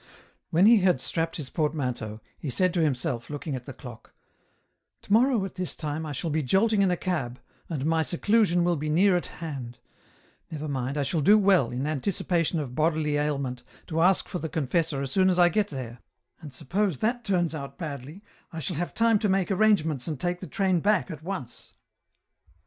When he had strapped his portmanteau, he said to himself, looking at the clock : "To morrow at this time I shall be jolting in a cab, and my seclusion will be near at hand ; never mind, I shall do well, in anticipation of bodily ailment, to ask for the confessor as soon as I get there, and suppose that turns out badly, I shall have time to make arrangements and take the train back at once.